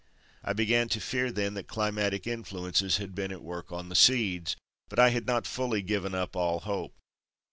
I began to fear then that climatic influences had been at work on the seeds, but I had not fully given up all hope.